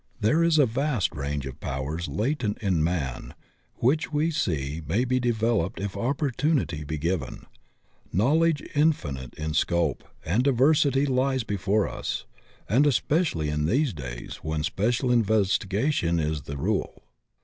There is a vast range of powers latent in man which we see may be developed if opportunity be given. Knowledge infin ite in scope and diversity lies before us, and espe cially in these days when special investigation is the rule.